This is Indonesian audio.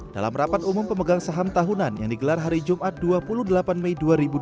dalam rapat umum pemegang saham tahunan yang digelar hari jumat dua puluh delapan mei dua ribu dua puluh